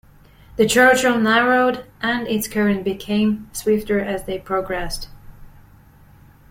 The Churchill narrowed and its current became swifter as they progressed.